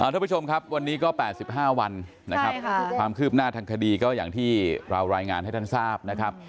ทุกผู้ชมครับวันนี้ก็๘๕วันนะครับความคืบหน้าทางคดีก็อย่างที่เรารายงานให้ท่านทราบนะครับ